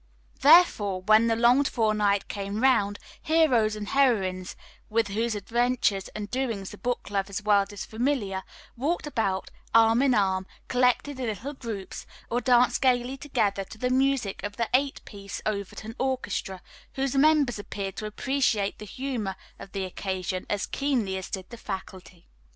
Therefore, when the longed for night came round, heroes and heroines, with whose adventures and doings the book lover's world is familiar, walked about, arm in arm, collected in little groups, or danced gayly together to the music of the eight piece Overton orchestra, whose members appeared to appreciate the humor of the occasion as keenly as did the faculty.